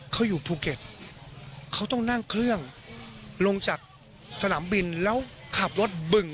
เขาอยู่ภูเก็ตเขาต้องนั่งเครื่องลงจากสนามบินแล้วขับรถบึ่ง